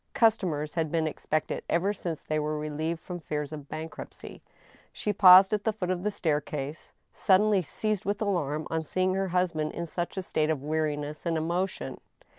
Customers had been expected ever since they were relieved from fears of bankruptcy. She paused at the foot of the staircase, suddenly seized with 94 THE STEEL HAMMER. alarm on seeing her husband in such a state of weariness and emo tion.